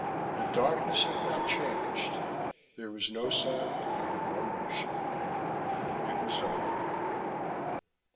The darkness had not changed. There was no sound, and no motion. It was over.